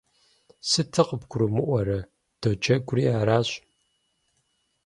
Сыту къыбгурымыӀуэрэ? Доджэгури аращ!